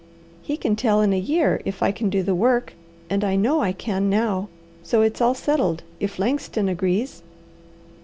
He can tell in a year if I can do the work, and I know I can now; so it's all settled, if Langston agrees."